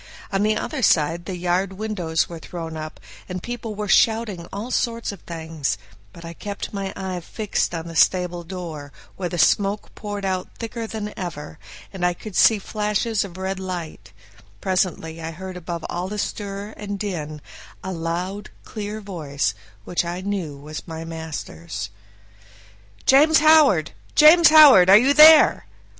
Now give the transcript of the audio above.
On the other side the yard windows were thrown up, and people were shouting all sorts of things; but I kept my eye fixed on the stable door, where the smoke poured out thicker than ever, and I could see flashes of red light; presently I heard above all the stir and din a loud, clear voice, which I knew was master's: "James Howard! James Howard! Are you there?"